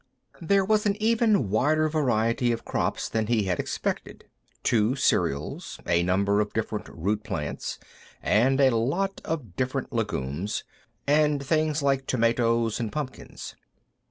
There was an even wider variety of crops than he had expected: two cereals, a number of different root plants, and a lot of different legumes, and things like tomatoes and pumpkins.